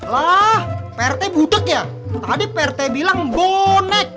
lah pertek budek ya tadi pertek bilang bonek